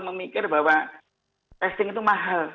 memikir bahwa testing itu mahal